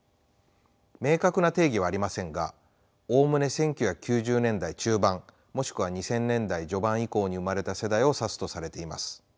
明確な定義はありませんがおおむね１９９０年代中盤もしくは２０００年代序盤以降に生まれた世代を指すとされています。